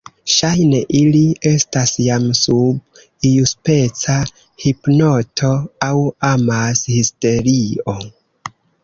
Ŝajne ili estas jam sub iuspeca hipnoto aŭ amashisterio.